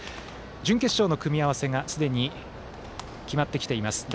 準決勝の組み合わせがすでに決まってきています。